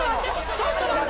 ちょっと待って！